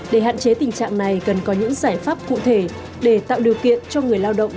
để hạn chế tình trạng này cần có những giải pháp cụ thể để tạo điều kiện cho người lao động